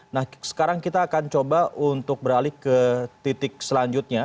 nah sekarang kita akan coba untuk beralih ke titik selanjutnya